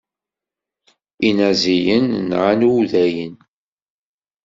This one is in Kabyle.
Inaziyen nɣan udayen.